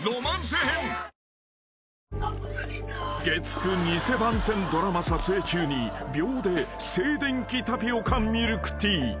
［月９偽番宣ドラマ撮影中に秒で静電気タピオカミルクティー］